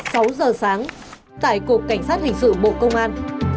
sáu giờ sáng tại cục cảnh sát hình sự bộ công an